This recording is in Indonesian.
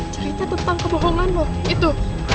cerita tentang kebohongan lo itu